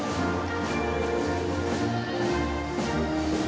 untuk membahas perkejuan mengenai perkenalan ketériquehkan di alam di persegi uzochuma